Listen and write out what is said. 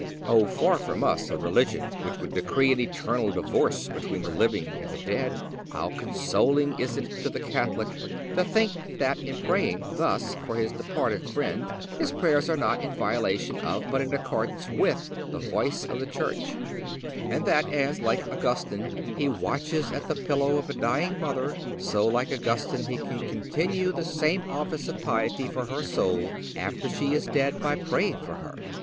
Oh, far from us a religion which would decree an eternal divorce between the living and the dead. How consoling is it to the Catholic to think that, in praying thus for his departed friend, his prayers are not in violation of, but in accordance with, the voice of the Church; and that as, like Augustine, he watches at the pillow of a dying mother, so like Augustine, he can continue the same office of piety for her soul after she is dead by praying for her!